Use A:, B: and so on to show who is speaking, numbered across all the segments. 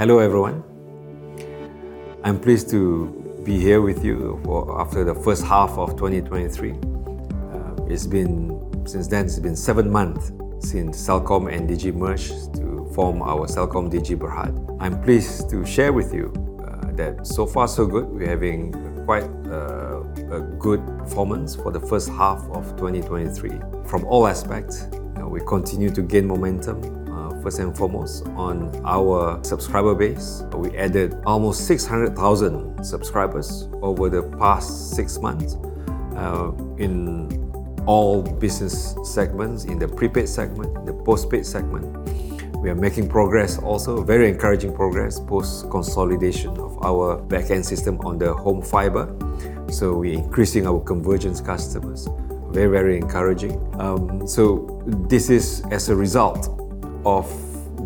A: Hello, everyone. I'm pleased to be here with you for after the first half of 2023. It's been... since then, it's been seven months since Celcom and Digi merged to form our CelcomDigi Berhad. I'm pleased to share with you that so far, so good. We're having quite a good performance for the first half of 2023. From all aspects, we continue to gain momentum. First and foremost, on our subscriber base, we added almost 600,000 subscribers over the past six months, in all business segments, in the prepaid segment, the postpaid segment. We are making progress, also very encouraging progress, post-consolidation of our back-end system on the home fiber, so we're increasing our convergence customers. Very, very encouraging. This is as a result of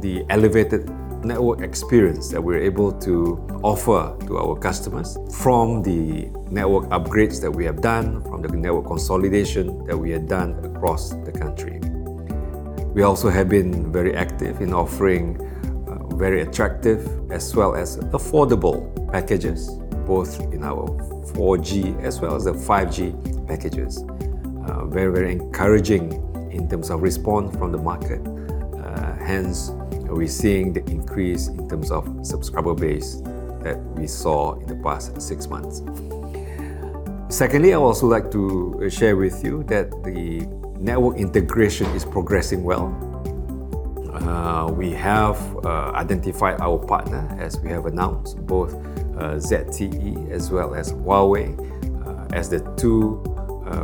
A: the elevated network experience that we're able to offer to our customers from the network upgrades that we have done, from the network consolidation that we have done across the country. We also have been very active in offering very attractive as well as affordable packages, both in our 4G as well as the 5G packages. Very, very encouraging in terms of response from the market, hence, we're seeing the increase in terms of subscriber base that we saw in the past six months. Secondly, I would also like to share with you that the network integration is progressing well. We have identified our partner, as we have announced, both ZTE as well as Huawei, as the two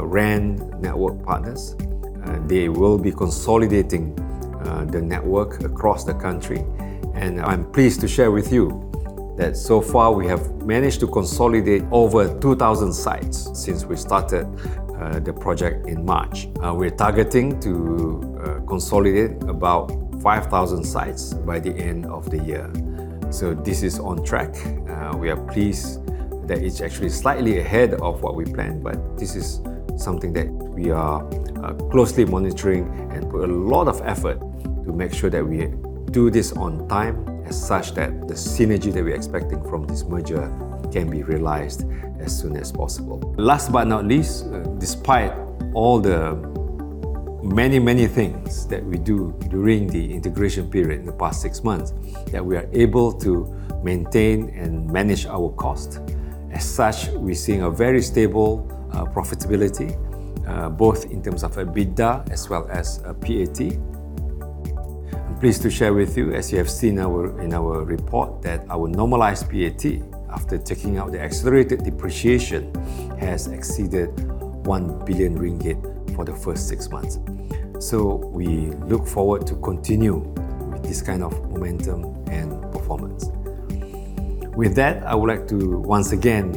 A: RAN network partners. They will be consolidating the network across the country. I'm pleased to share with you that so far we have managed to consolidate over 2,000 sites since we started the project in March. We're targeting to consolidate about 5,000 sites by the end of the year. This is on track. We are pleased that it's actually slightly ahead of what we planned. This is something that we are closely monitoring and put a lot of effort to make sure that we do this on time, as such, that the synergy that we're expecting from this merger can be realized as soon as possible. Last but not least, despite all the many, many things that we do during the integration period in the past 6 months, that we are able to maintain and manage our cost. As such, we're seeing a very stable profitability, both in terms of EBITDA as well as PAT. I'm pleased to share with you, as you have seen in our, in our report, that our normalized PAT, after taking out the accelerated depreciation, has exceeded 1 billion ringgit for the first six months. We look forward to continue with this kind of momentum and performance. With that, I would like to once again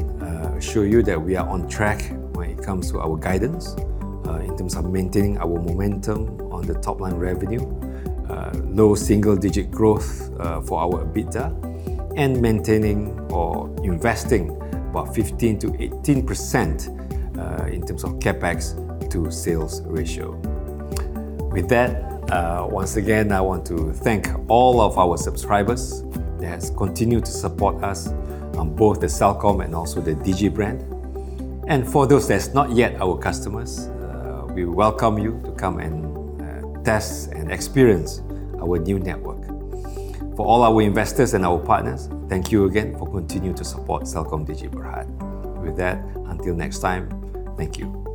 A: assure you that we are on track when it comes to our guidance, in terms of maintaining our momentum on the top-line revenue, low single-digit growth, for our EBITDA, and maintaining or investing about 15%-18% in terms of CapEx to sales ratio. With that, once again, I want to thank all of our subscribers that have continued to support us on both the Celcom and also the Digi brand. For those that's not yet our customers, we welcome you to come and test and experience our new network. For all our investors and our partners, thank you again for continuing to support CelcomDigi Berhad. With that, until next time, thank you.